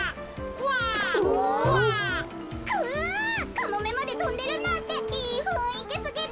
カモメまでとんでるなんていいふんいきすぎる！